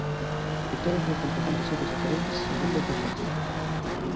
Que todos nos comportamos de xeitos diferentes segundo o contexto.